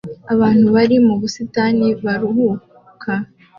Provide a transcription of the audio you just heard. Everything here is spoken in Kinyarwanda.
Abantu bari mu busitani baruhuka